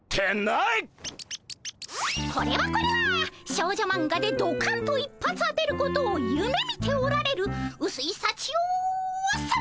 これはこれは少女マンガでどかんと一発当てることをゆめみておられるうすいさちよさま！